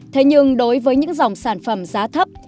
thế nhưng đối với những dòng sản phẩm giá thấp